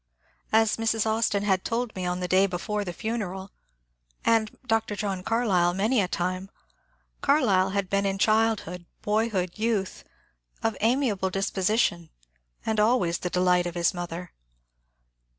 As Mrs. Austin had told me on the day before the funeral, and Dr. John Carlyle many a time, Carlyle had been in child hood, boyhood, youth, of amiable disposition, and always the delight of his mother.